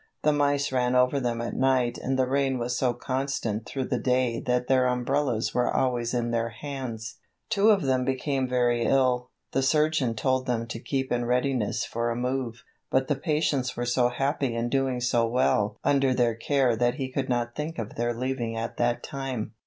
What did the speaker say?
The mice ran over them at night and the rain was so constant through the day that their umbrellas were always in their hands. Two of them became very ill. The surgeon told them to keep in readiness for a move, but the patients were so happy and doing so well under their care that he could not think of their leaving at that time.